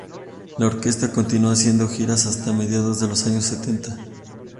La orquesta continuó haciendo giras hasta mediados de los años setenta.